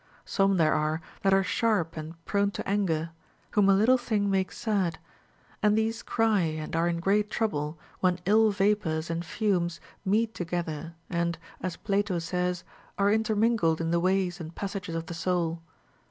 Some there are that are sharp and prone to anger, whom a little thing makes sad ; and these cry and are in great trouble when ill vapors and fumes meet together and (as Plato says) are intermingled in the ways and passages of the soul.